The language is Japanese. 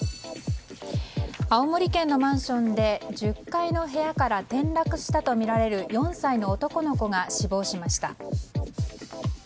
青森県のマンションで１０階の部屋から転落したとみられる４歳の男の子が死亡しました。